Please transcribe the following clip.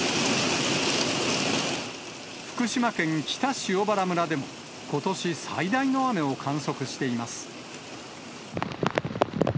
福島県北塩原村でも、ことし最大の雨を観測しています。